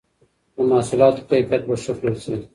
د محصولاتو کيفيت به ښه کړل سي.